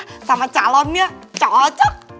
kalau ada yang mau ngomongnya cocok